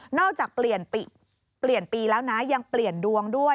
นอกจากเปลี่ยนปีเปลี่ยนปีแล้วนะยังเปลี่ยนดวงด้วย